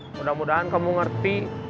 mudah mudahan kamu ngerti